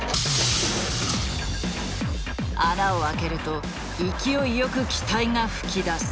穴を開けると勢いよく気体が噴き出す。